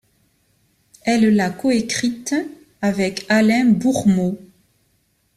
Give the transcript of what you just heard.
Elle l'a coécrite avec Alain Bourmaud.